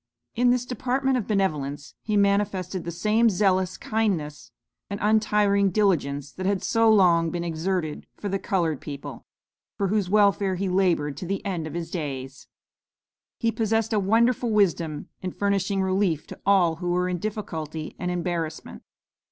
In this department of benevolence he manifested the same zealous kindness and untiring diligence that had so long been exerted for the colored people, for whose welfare he labored to the end of his days. He possessed a wonderful wisdom in furnishing relief to all who were in difficulty and embarrassment.